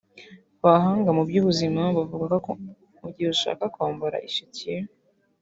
Abahanga mu by’ubuzima bavuga ko mu gihe ushaka kwambara isutiye